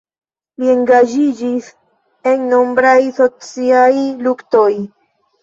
Li engaĝiĝis en nombraj sociaj luktoj.